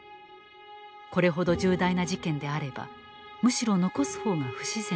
これほど重大な事件であればむしろ残す方が不自然だと。